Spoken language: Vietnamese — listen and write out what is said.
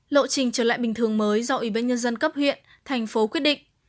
lộ trình trở lại bình thường mới do ủy ban nhân dân cấp huyện thành phố quyết định